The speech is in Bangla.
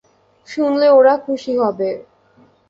শুনলে ওরা খুশি হবে।